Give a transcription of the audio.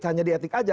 hanya di etik aja